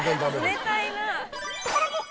冷たいな。